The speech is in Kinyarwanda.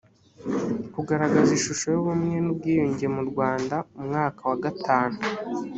kugaragaza ishusho y ubumwe n ubwiyunge mu rwanda umwaka wa gatanu